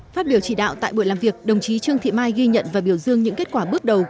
phát biểu chỉ đạo tại buổi làm việc đồng chí trương thị mai ghi nhận và biểu dương những kết quả bước đầu